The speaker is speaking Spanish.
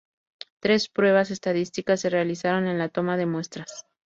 Tres pruebas estadísticas se realizaron en la toma de muestras.